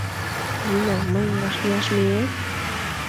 — Зина, мыйым вашлияш миет?